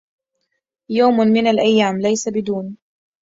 يوم من الأيام ليس بدون